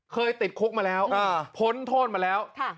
ติดคุกมาแล้วพ้นโทษมาแล้ว